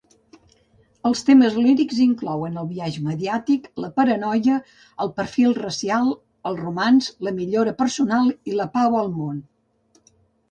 Els temes lírics inclouen el biaix mediàtic, la paranoia, el perfil racial, el romanç, la millora personal i la pau al món.